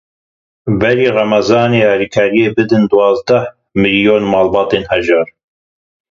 Berî Remezanê alîkariyê bidin duwazdeh milyon malbatên hejar.